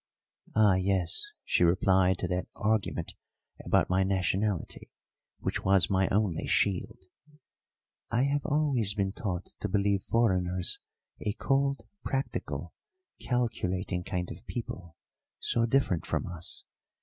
"Ah, yes," she replied to that argument about my nationality, which was my only shield, "I have always been taught to believe foreigners a cold, practical, calculating kind of people so different from us.